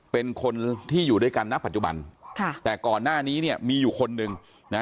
เป็นคนที่อยู่ด้วยกันนะปัจจุบันค่ะแต่ก่อนหน้านี้เนี่ยมีอยู่คนหนึ่งนะ